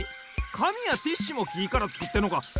かみやティッシュもきからつくってんのか！